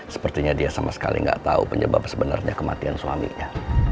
sepertinya dia sama sekali nggak tahu penyebab sebenarnya kematian suaminya